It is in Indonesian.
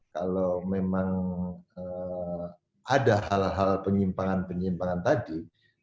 kalau memang ada hal hal penyimpangan penyimpangan tadi